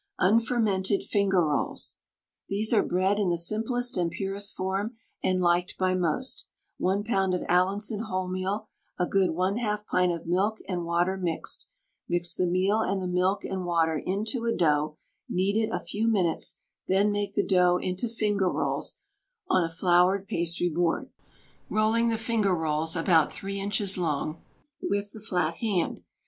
UNFERMENTED FINGER ROLLS. These are bread in the simplest and purest form, and liked by most. 1 lb. of Allinson wholemeal, a good 1/2 pint of milk and water mixed; mix the meal and the milk and water into a dough, knead it a few minutes, then make the dough into finger rolls on a floured pastry board, rolling the finger rolls about 3 inches long with the flat hand.